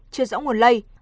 chưa rõ nguồn lây